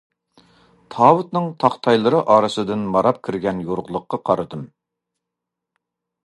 تاۋۇتنىڭ تاختايلىرى ئارىسىدىن ماراپ كىرگەن يورۇقلۇققا قارىدىم.